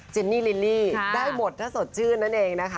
จินนี่ลิลลี่ได้หมดถ้าสดชื่นนั่นเองนะคะ